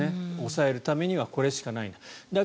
抑えるためにはこれしかないんだ。